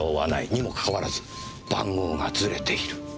にもかかわらず番号がズレている。